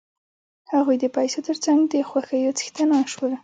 هغوی د پیسو تر څنګ د خوښیو څښتنان شول